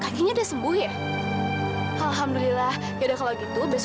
sampai jumpa di video selanjutnya